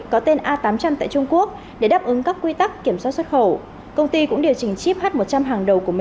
có tên a tám trăm linh tại trung quốc để đáp ứng các quy tắc kiểm soát xuất khẩu